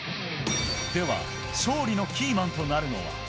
では、勝利のキーマンとなるのは。